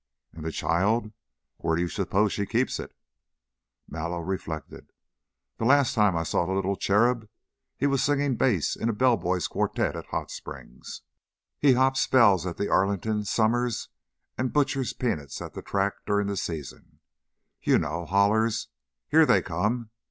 "And the child? Where do you suppose she keeps it?" Mallow reflected. "The last time I saw the little cherub he was singing bass in a bellboys' quartette at Hot Springs. He hops bells at the Arlington summers and butchers peanuts at the track during the season you know, hollers 'Here they come!'